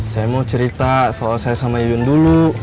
saya mau cerita soal saya sama yun dulu